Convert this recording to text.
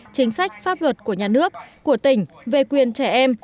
chính sách pháp luật của nhà nước của tỉnh về quyền trẻ em